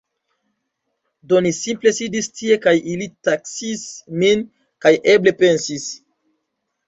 Do ni simple sidis tie kaj ili taksis min, kaj eble pensis: